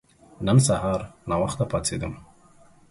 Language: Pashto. نن سهار ناوخته پاڅیدم.